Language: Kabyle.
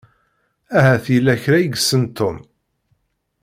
Ahat yella kra i yessen Tom.